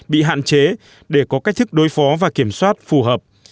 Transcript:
bị hạn chế để có cách thức đối phó và kiểm soát phù hợp